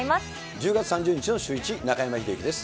１０月３０日のシューイチ、中山秀征です。